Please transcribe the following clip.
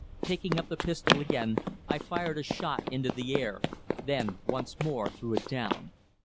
Picking up the pistol again I fired a shot into the air, then once more threw it down.